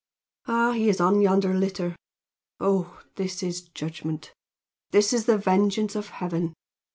Ah, he is on yonder litter! Oh, this is judgment! This is the vengeance of heaven!